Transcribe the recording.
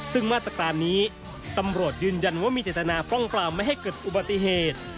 ซึ่งมาตรการนี้ตำรวจยืนยันว่ามีเจตนาป้องปรามไม่ให้เกิดอุบัติเหตุ